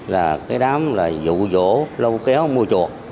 là cái đám là dụ dỗ lâu kéo mua chuột